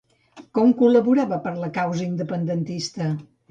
Com col·laborava per la causa independentista?